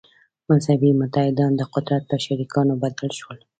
«مذهبي متحدان» د قدرت په شریکانو بدل شول.